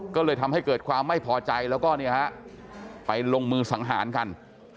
ก็เลยทำให้เกิดความไม่พอใจแล้วก็ไปลงมือสังหารกัน